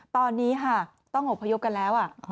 ตอนนี้ค่ะต้องอบพยพกันแล้ว